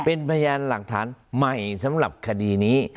เป็นพยานหลักฐานใหม่สำหรับคดีนี้